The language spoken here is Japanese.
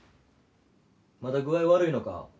まだ具合悪いのか？